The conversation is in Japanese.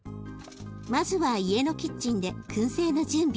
まずは家のキッチンでくん製の準備。